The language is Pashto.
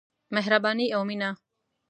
مهرباني او مينه.